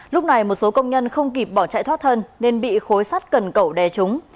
lúc này một số công nhân không kịp bỏ chạy thoát thân nên bị khối sắt cần cẩu đè chúng